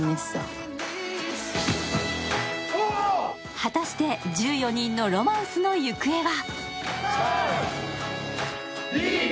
果たして１４人のロマンスの行方は？